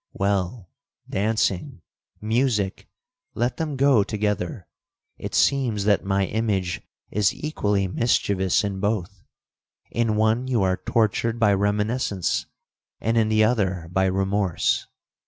Well—dancing—music—let them go together! It seems that my image is equally mischievous in both—in one you are tortured by reminiscence, and in the other by remorse.